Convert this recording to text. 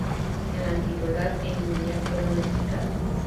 En la antigüedad en India, fue domesticada.